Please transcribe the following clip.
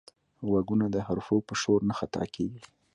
غوږونه د حرفو په شور نه خطا کېږي